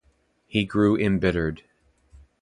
He grew embittered.